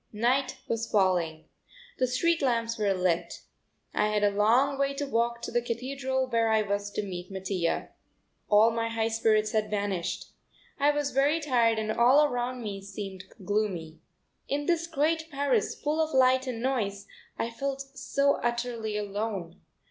Night was falling. The street lamps were lit. I had a long way to walk to the Cathedral, where I was to meet Mattia. All my high spirits had vanished. I was very tired and all around me seemed gloomy. In this great Paris full of light and noise I felt so utterly alone.